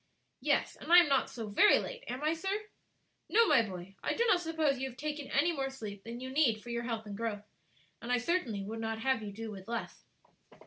"Yes; and I am not so very late, am I, sir?" "No, my boy, I do not suppose you have taken any more sleep than you need for your health and growth; and I certainly would not have you do with less."